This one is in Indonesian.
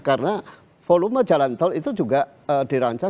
karena volume jalan tol itu juga dirangkak